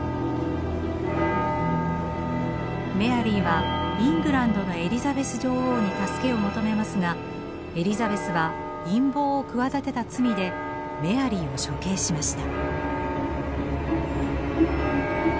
メアリーはイングランドのエリザベス女王に助けを求めますがエリザベスは陰謀を企てた罪でメアリーを処刑しました。